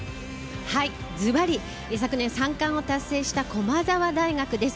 ずばり、昨年三冠を達成した駒澤大学です。